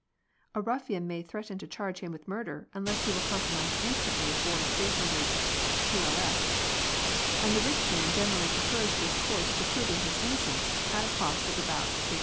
A ruf fian may threaten to charge him with murder unless he will compromise instantly for Tls. 300 ; and the rich man generally prefers this course to proving his innocence at a cost of about Tls.